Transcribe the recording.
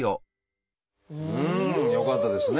うん！よかったですね。